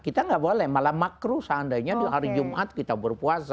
kita nggak boleh malah makruh seandainya hari jumat kita berpuasa